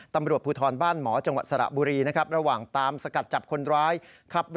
ตำรวจภูทรบ้านหมอจังหวัดสระบุรีนะครับ